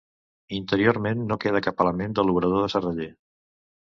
Interiorment no queda cap element de l'obrador de serraller.